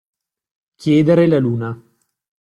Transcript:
Chiedere la luna.